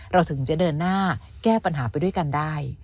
เราถึงจะเดินหน้าแก้ปัญหาไปด้วยกันได้